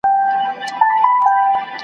شيطاني پاڼي يې كړلې لاندي باندي .